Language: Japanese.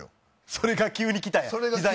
それが急にきたんや？